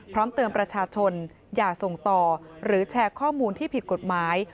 เตือนประชาชนอย่าส่งต่อหรือแชร์ข้อมูลที่ผิดกฎหมาย